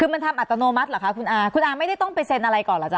คือมันทำอัตโนมัติเหรอคะคุณอาคุณอาไม่ได้ต้องไปเซ็นอะไรก่อนเหรอจ๊